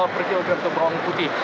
lima puluh per kilogram untuk bawang putih